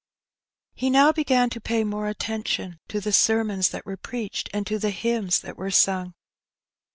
He now began to pay more attention to the sermons that were preached, and to the hymns that were sung.